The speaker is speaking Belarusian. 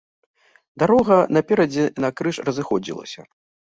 Дарога наперадзе накрыж разыходзілася.